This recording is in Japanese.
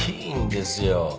いいんですよ。